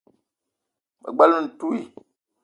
Me bela ntouii